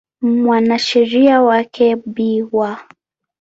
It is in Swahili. Mwanasheria wake Bw.